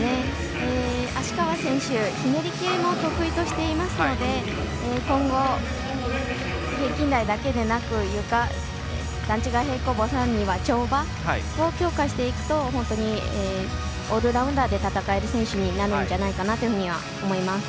芦川選手、ひねり系も得意としていますので今後、平均台だけでなくゆか、段違い平行棒さらには跳馬を強化していくと本当にオールラウンダーで戦える選手になるんじゃないかと思います。